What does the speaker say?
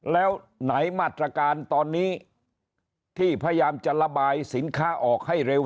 แล้วไหนมาตรการตอนนี้ที่พยายามจะระบายสินค้าออกให้เร็ว